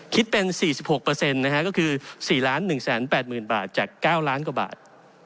คิดเป็น๔๖นะฮะก็คือ๔๑๘๐๐๐บาทจาก๙ล้านกว่าบาท